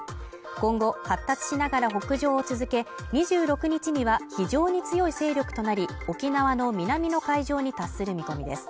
今後発達しながら北上を続け、２６日には非常に強い勢力となり、沖縄の南の海上に達する見込みです。